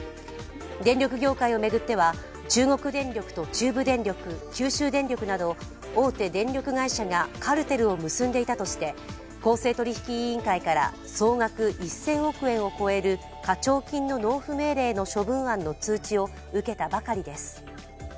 電力業界を巡っては、中国電力と中部電力、九州電力など大手電力会社がカルテルを結んでいたとして公正取引委員会から、総額１０００億円を超える課徴金の納付命令の処分案の通知を受けたばかりです。